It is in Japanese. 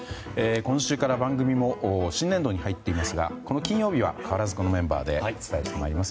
今週から番組も新年度に入っていますがこの金曜日は変わらずこのメンバーでお伝えします。